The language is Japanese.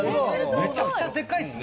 めちゃくちゃでかいですね。